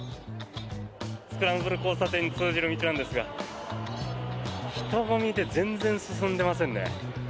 スクランブル交差点に通じる道なんですが人混みで全然進んでいませんね。